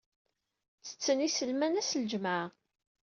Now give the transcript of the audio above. Ttetten iselman ass n lǧemɛa.